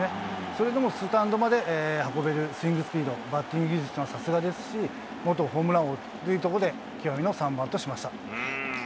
それでもスタンドまで運べるスイングスピード、バッティング技術っていうのはさすがですし、元ホームラン王というところで、極みの３番としました。